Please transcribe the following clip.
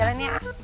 nah ini mah